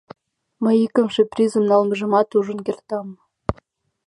Мый икымше призым налмыжымат ужын кертам.